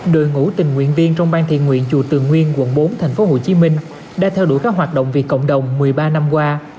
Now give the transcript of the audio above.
đội ngũ tình nguyện viên trong ban thiền nguyện chùa tường nguyên quận bốn tp hcm đã theo đuổi các hoạt động vì cộng đồng một mươi ba năm qua